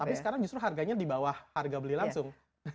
tapi sekarang justru harganya di bawah harga beli langsung